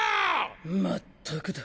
まったくだ。